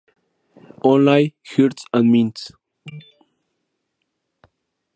Online: Hearts and Minds.